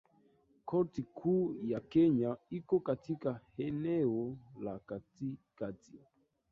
Korti kuu ya Kenya iko katika eneo la katikati.